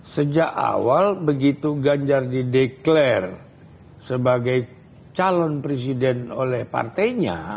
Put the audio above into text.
sejak awal begitu ganjar dideklarasi sebagai calon presiden oleh partainya